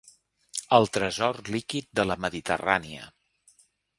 El tresor líquid de la Mediterrània.